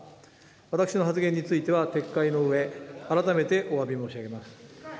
私の発言については撤回のうえ、改めておわび申し上げます。